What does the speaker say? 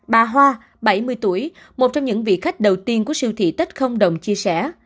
bà hoa bảy mươi tuổi một trong những vị khách đầu tiên của siêu thị tết không đồng chia sẻ